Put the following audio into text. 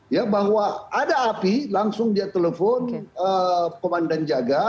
ya bahwa ada api langsung dia telepon komandan jaga